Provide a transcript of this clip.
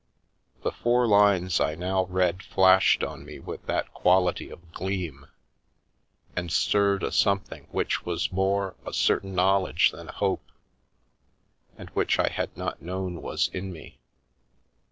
The four lines I now read flashed on me with that quality of gleam, and stirred a something which was more a certain knowledge than a hope, and which I had not known was in me.